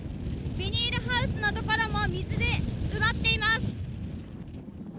ビニールハウスのところも、水で埋まっています。